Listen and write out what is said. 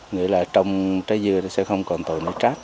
nghĩa là trong trái dưa nó sẽ không còn tội nuôi trát